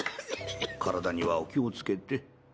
体にはお気を付けて。